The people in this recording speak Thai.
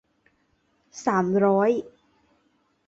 สามร้อย